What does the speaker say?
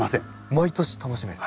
毎年楽しめる。